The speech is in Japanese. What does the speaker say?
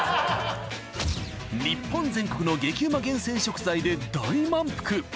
日本全国の激ウマ厳選食材で大満腹。